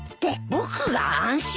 僕が安心？